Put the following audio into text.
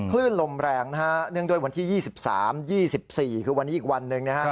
คลื่นลมแรงนะฮะเนื่องด้วยวันที่๒๓๒๔คือวันนี้อีกวันหนึ่งนะครับ